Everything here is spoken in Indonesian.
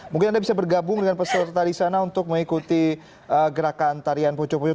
mungkin anda bisa bergabung dengan peserta di sana untuk mengikuti gerakan tarian poco poco